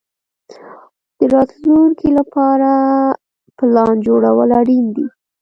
د راتلونکي لپاره پلان جوړول اړین دي.